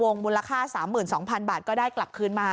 มูลค่า๓๒๐๐๐บาทก็ได้กลับคืนมา